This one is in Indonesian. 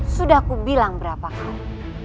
sudah kubilang berapa kali